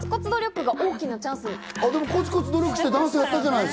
でもコツコツ努力してダンスやったじゃない？